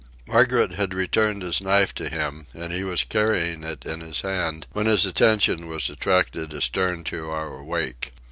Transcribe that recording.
Margaret had returned his knife to him, and he was carrying it in his hand when his attention was attracted astern to our wake.